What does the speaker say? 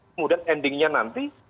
kemudian endingnya nanti